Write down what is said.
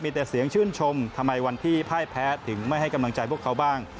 มีแต่เสียงชื่นชมทำไมวันที่พ่ายแพ้ถึงไม่ให้กำลังใจพวกเขาบ้าง